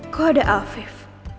kok ada afif